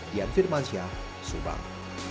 dian firmansyah subang